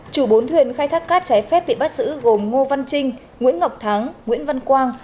chủ bốn thuyền khai thác cát trái phép bị bắt giữ gồm ngô văn trinh nguyễn ngọc thắng nguyễn văn quang